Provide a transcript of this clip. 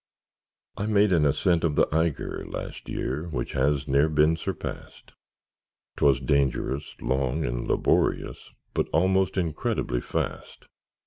I made an ascent of the Eiger Last year, which has ne'er been surpassed; 'Twas dangerous, long, and laborious, But almost incredibly fast.